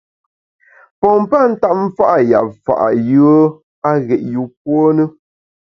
Pompa ntap mfa’ yap fa’ yùe a ghét yûpuo ne.